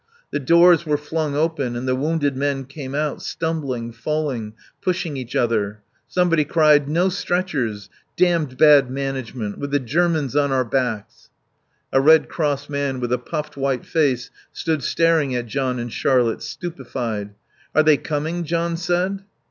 The doors were flung open and the wounded men came out, stumbling, falling, pushing each other. Somebody cried, "No stretchers! Damned bad management. With the Germans on our backs." A Red Cross man, with a puffed white face, stood staring at John and Charlotte, stupefied. "Are they coming?" John said.